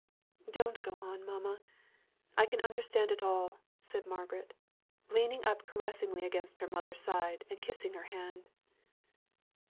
"Don't go on, mamma. I can understand it all," said Margaret, leaning up caressingly against her mother's side, and kissing her hand.